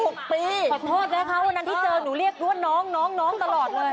ขอโทษนะคะวันนั้นที่เจอหนูเรียกว่าน้องน้องตลอดเลย